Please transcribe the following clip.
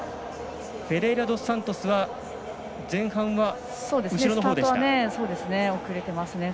フェレイラドスサントスは前半は後ろのほうでした。